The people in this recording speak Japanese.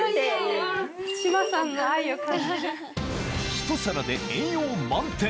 一皿で栄養満点